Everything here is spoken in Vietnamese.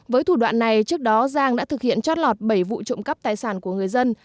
với thủ đoạn này trước đó giang đã thực hiện trót lọt bảy vụ trộm cắp tài sản của người dân